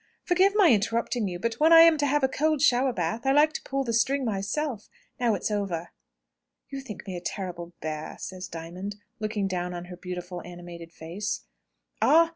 "Forgive my interrupting you; but when I am to have a cold shower bath, I like to pull the string myself. Now it's over." "You think me a terrible bear," says Diamond, looking down on her beautiful, animated face. "Ah!